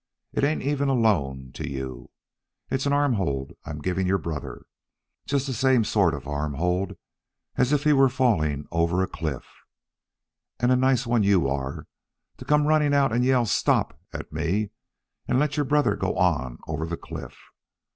It ain't even a loan to you. It's an arm hold I'm giving your brother just the same sort of arm hold as if he was falling over a cliff. And a nice one you are, to come running out and yell 'Stop!' at me, and let your brother go on over the cliff.